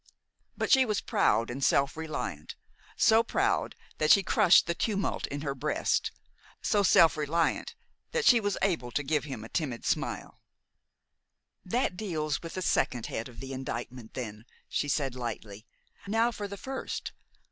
But she was proud and self reliant, so proud that she crushed the tumult in her breast, so self reliant that she was able to give him a timid smile. "That deals with the second head of the indictment, then," she said lightly. "Now for the first.